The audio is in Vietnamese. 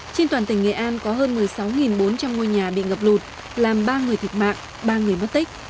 trên toàn tỉnh nghệ an có hơn một mươi sáu bốn trăm linh ngôi nhà bị ngập lụt làm ba người thiệt mạng ba người mất tích